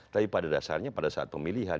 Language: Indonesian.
tapi pada dasarnya pada saat pemilihan